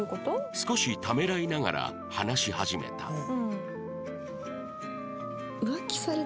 少しためらいながら話し始めた